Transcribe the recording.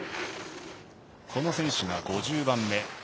この選手が５０番目。